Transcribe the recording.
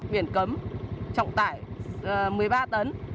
biển cấm trọng tải một mươi ba tấn